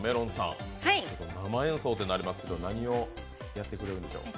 生演奏となりますけど、何をやってくれるんでしょう？